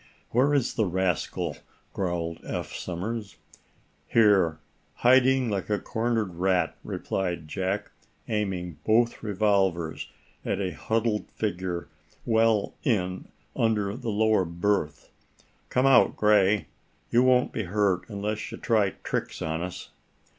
"Where is the rascal?" growled Eph Somers. "Here, hiding like a cornered rat," replied Jack, aiming both revolvers at a huddled figure well in under the lower berth. "Come out, Gray! You won't be hurt unless you try tricks on us."